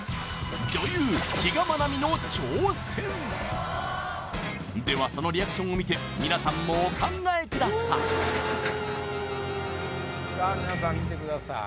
女優比嘉愛未の挑戦ではそのリアクションを見てみなさんもお考えくださいさあみなさん見てください